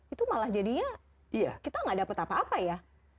itu malah jadinya kita gak dapat apa apa ya